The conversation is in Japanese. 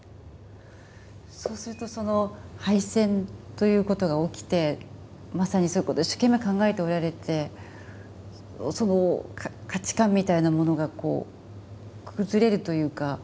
そうするとその敗戦ということが起きてまさにそういうことを一生懸命考えておられてその価値観みたいなものが崩れるというか何かその。